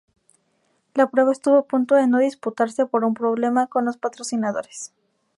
La prueba estuvo a punto de no disputarse por un problema con los patrocinadores.